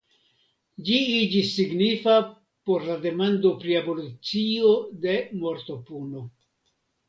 Ĝi iĝis signifa por la demando pri abolicio de mortopuno.